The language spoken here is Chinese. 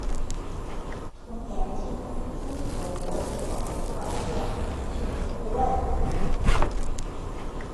同年经中国国际广播出版社雇为顾问。